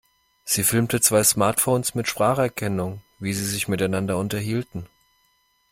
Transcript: Sie filmte zwei Smartphones mit Spracherkennung, wie sie sich miteinander unterhielten.